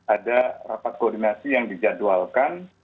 ada rapat koordinasi yang dijadwalkan